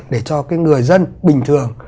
để cho cái người dân bình thường